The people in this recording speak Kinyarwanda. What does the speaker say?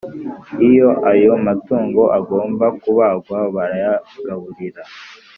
Iyo ayo matungo agomba kubagwa barayagaburira